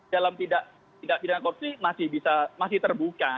dalam tidak pidana korpsi masih bisa masih terjadi